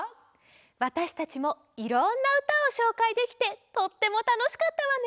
わたしたちもいろんなうたをしょうかいできてとってもたのしかったわね。